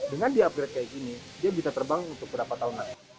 dengan di upgrade kayak gini dia bisa terbang untuk berapa tahun lagi